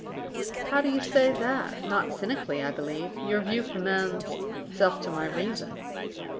"How do you say that? not cynically, I believe. Your view commends itself to my reason."